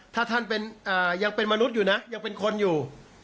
ถ้าท่านยังเป็นมนุษย์อยู่นะยังเป็นคนอยู่